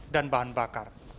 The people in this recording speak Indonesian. dan bahan bakar